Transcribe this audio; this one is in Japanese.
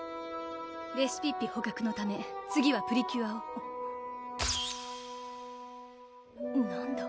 レシピッピ捕獲のため次はプリキュアを何だ？